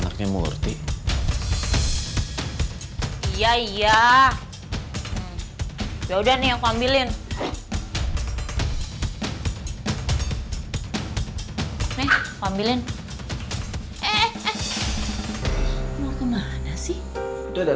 aduh nanti diomit helen lagi